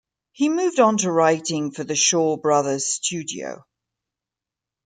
He moved on to writing for the Shaw Brothers studio.